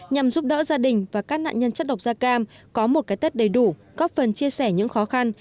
nhằm giúp đỡ gia đình và các nạn nhân chất độc da cam có một cái tết đầy đủ góp phần chia sẻ những khó khăn